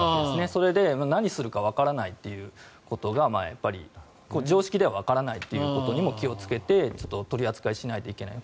それで何するかわからないということが常識ではわからないということにも気をつけて取り扱わないといけない。